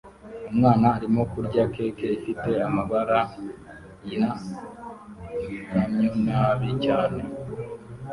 Umwana arimo kurya cake ifite amabara yaikamyonabi cyane